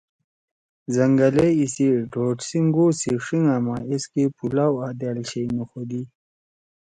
زنگلے ایسی ڈھورݜینگ گو سی ݜیِنگا ما ایسکے پولاؤ آں دأل شئی نُوخودی۔